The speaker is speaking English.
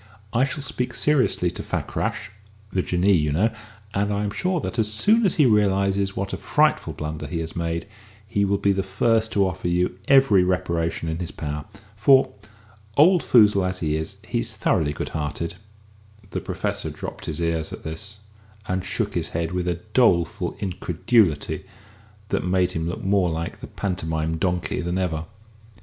I shall speak seriously to Fakrash (the Jinnee, you know), and I am sure that, as soon as he realises what a frightful blunder he has made, he will be the first to offer you every reparation in his power. For, old foozle as he is, he's thoroughly good hearted." The Professor drooped his ears at this, and shook his head with a doleful incredulity that made him look more like the Pantomime Donkey than ever.